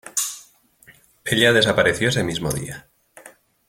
Ella desapareció ese mismo día.